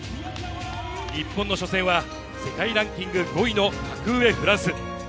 日本の初戦は、世界ランキング５位の格上、フランス。